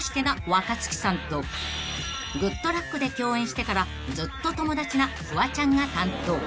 ［『グッとラック！』で共演してからずっと友達なフワちゃんが担当］